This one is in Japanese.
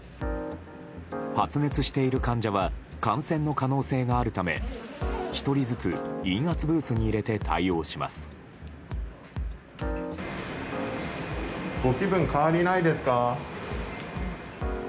発熱している患者は感染の可能性があるため１人ずつ陰圧ブースに入れて対応します。